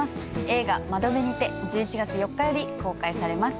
映画『窓辺にて』１１月４日より公開されます。